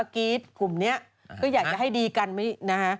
กรุ่มดีกัน